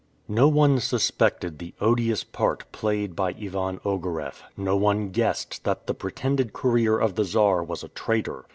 No one suspected the odious part played by Ivan Ogareff; no one guessed that the pretended courier of the Czar was a traitor.